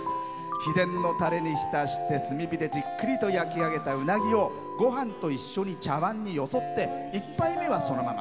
秘伝のたれに浸して炭火でじっくりと焼き上げたうなぎをごはんと一緒に茶わんによそって１杯目はそのまま。